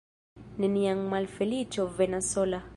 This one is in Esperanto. Neniam malfeliĉo venas sola.